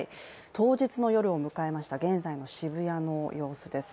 当日の夜を迎えました、現在の渋谷の様子です。